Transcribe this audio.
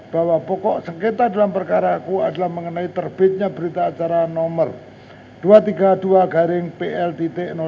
bahwa pokok sekitar dalam perkaan hukum adalah mengenai terbitnya berita acara nomor dua ratus tiga puluh dua plt